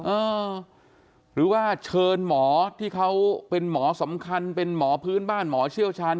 เออหรือว่าเชิญหมอที่เขาเป็นหมอสำคัญเป็นหมอพื้นบ้านหมอเชี่ยวชาญ